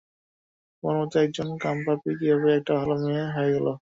তোমার মতো একজন কামপাপী কিভাবে একটা ভালো মেয়ে হয়ে গেলো?